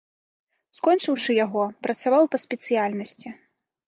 Скончыўшы яго, працаваў па спецыяльнасці.